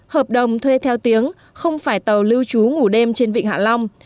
hợp đồng thuê theo tiếng không phải tàu lưu trú ngủ đêm trên vịnh hạ long